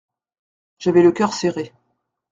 J'avais le cœur serré.